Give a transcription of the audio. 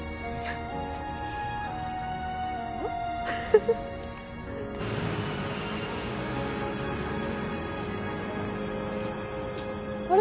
フッフフあれ？